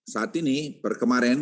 saat ini perkemarin